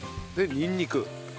にんにく。